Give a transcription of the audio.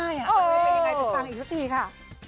ไม่รู้ยังไงจะฟังอีกทุกทีค่ะ